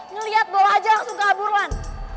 ngeliat bola aja langsung kabur lan